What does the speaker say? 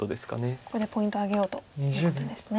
ここでポイントを挙げようということですね。